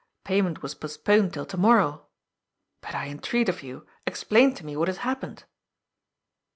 Payment was postponed till to morrow. But, I entreat of you, explain to me what has happened."